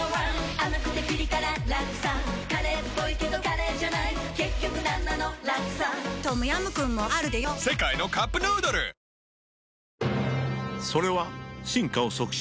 甘くてピリ辛ラクサカレーっぽいけどカレーじゃない結局なんなのラクサトムヤムクンもあるでヨ世界のカップヌードルもうさ